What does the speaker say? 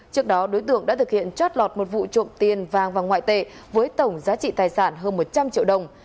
trước đó đối tượng đã thực hiện chót lọt một vụ trộm tiền vàng và ngoại tệ với tổng giá trị tài sản hơn một trăm linh triệu đồng